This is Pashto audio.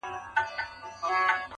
o د هغه نثر له نورو څخه بېل رنګ لري تل,